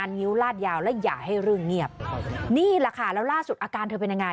นี้ล่ะค่ะและแลงล่าสุดอาการเธอเป็นยังไง